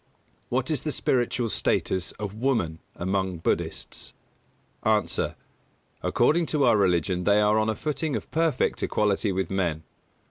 What is the spiritual status of woman among Buddhists? A. According to our religion they are on a footing of perfect equality with men.